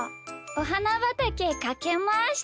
おはなばたけかけました！